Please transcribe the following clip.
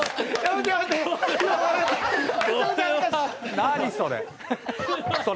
何それ？